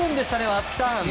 松木さん。